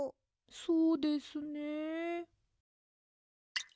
そうですね。